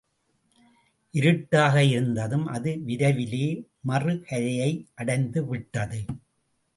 இருட்டாக இருந்தும் அது விரைவிலே மறு கரையை அடைந்துவிட்டது.